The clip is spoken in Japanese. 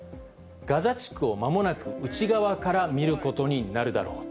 ガザ地区をまもなく内側から見ることになるだろう。